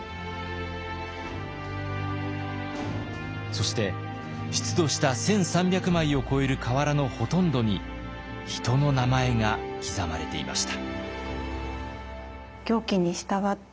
そして出土した１，３００枚を超える瓦のほとんどに人の名前が刻まれていました。